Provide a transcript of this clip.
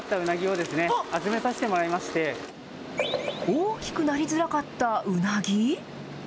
大きくなりづらかったウナギ。